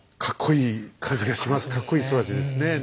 かっこいい人たちですね。